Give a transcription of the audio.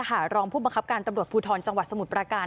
รองผู้บังคับการตำรวจภูทรจังหวัดสมุทรประการ